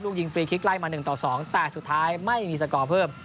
ยิงฟรีคลิกไล่มา๑ต่อ๒แต่สุดท้ายไม่มีสกอร์เพิ่ม